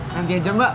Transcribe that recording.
lagi aja mbak